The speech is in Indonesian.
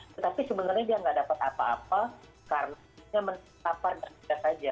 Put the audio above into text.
tetapi sebenarnya dia tidak dapat apa apa karena dia menafar dan tidak saja